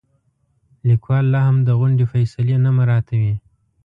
لیکوال لاهم د غونډې فیصلې نه مراعاتوي.